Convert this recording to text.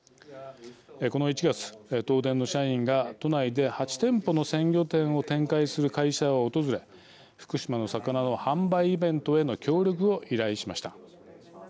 この１月、東電の社員が都内で８店舗の鮮魚店を展開する会社を訪れ福島の魚の販売イベントへの協力を依頼しました。